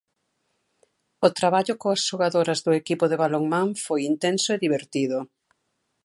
O traballo coas xogadoras do equipo de balonmán foi intenso e divertido.